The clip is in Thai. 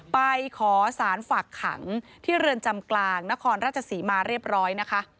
ไปขอสารฝากขังที่เรือนจำกลางนครราชศรีมาเรียบร้อยนะคะ